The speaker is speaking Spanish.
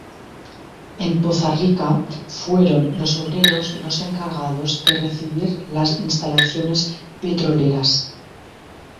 En Poza Rica fueron los obreros los encargados de recibir las instalaciones petroleras.